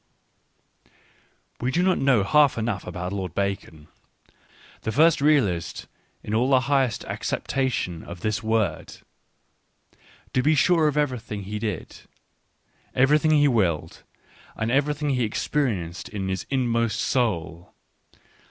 ... We do not know half enough about Loftl Bacon — the first realist in all the highest acceptation of this word — to be sure of everything he did, everything he willed, and everything he ex perienced in his inmost soul.